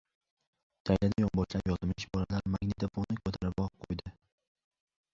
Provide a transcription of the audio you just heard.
Chaylada yonboshlab yotmish bolalar magnitofonni ko‘taribroq qo‘ydi.